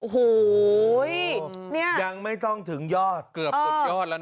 โอ้โหยังไม่ต้องถึงยอดเกือบสุดยอดแล้วนะ